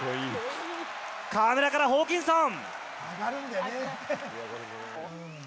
河村からホーキンソン。